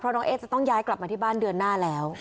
น้องเอ๊จะต้องย้ายกลับมาที่บ้านเดือนหน้าแล้ว